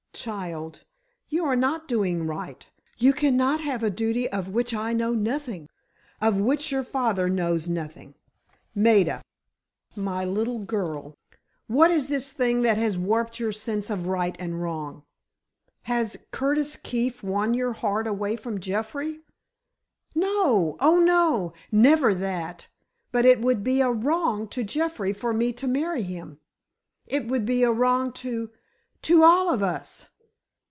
"Child, you are not doing right! You cannot have a duty of which I know nothing! Of which your father knows nothing! Maida, my little girl, what is this thing that has warped your sense of right and wrong? Has Curtis Keefe won your heart away from Jeffrey——" "No—oh, no! Never that! But it would be a wrong to Jeffrey for me to marry him—it would be a wrong to—to all of us!